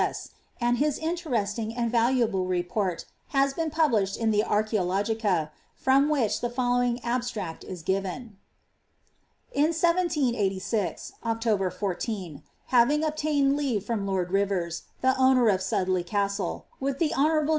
S., and his interesting and valuable report hn been published in the Archsologia,' from which the following abstneC is given :— ^In 1786, October 14, having obtained leave of lord Rivais, the owner of Sudley Castle, with the hon.